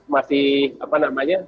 masih apa namanya